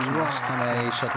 いいショット。